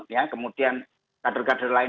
ya kemudian kader kader lain